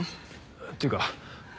っていうかな